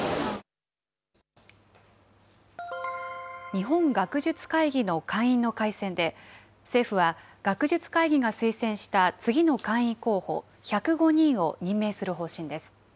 日本学術会議の会員の改選で、政府は学術会議が推薦した次の会員候補１０５人を任命する方針です。